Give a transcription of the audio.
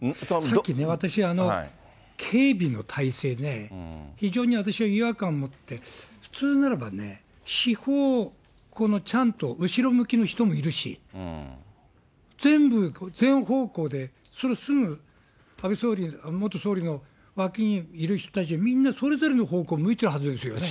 さっきね、私、警備の態勢ね、非常に私は違和感を持って、普通ならばね、四方、ちゃんと後ろ向きの人もいるし、全部、全方向でそれするのが、安倍元総理の脇にいる人たちは、みんな、それぞれの方向、向いてるはずですよね。